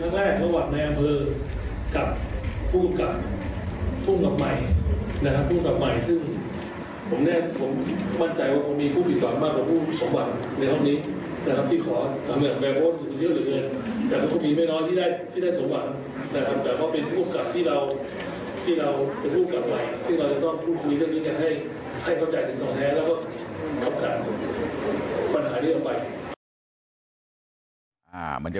แล้วก็ขอบคุณค่ะปัญหาเรื่องไว้